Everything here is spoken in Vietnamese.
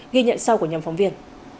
ghi nhận sau của nhóm phóng viên